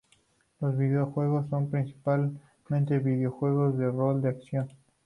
Los videojuegos son principalmente videojuegos de rol de acción.